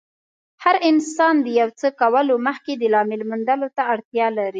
هر انسان د يو څه کولو مخکې د لامل موندلو ته اړتیا لري.